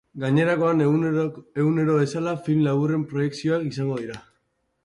Gainerakoan, egunero bezala, film laburren proiekzioak izango dira.